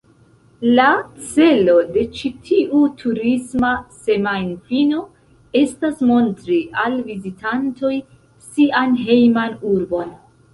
La celo de ĉi tiu turisma semajnfino estas montri al vizitantoj sian hejman urbon.